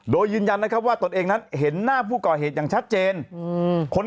โดยยืนยันนะครับว่าตนเองนั้นเห็นหน้าผู้ก่อเหตุอย่างชัดเจน